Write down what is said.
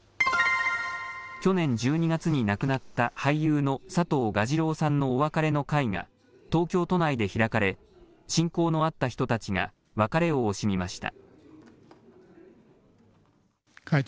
去年１２月に亡くなった俳優の佐藤蛾次郎さんのお別れの会が、東京都内で開かれ、親交のあった人たちが別れを惜しみました。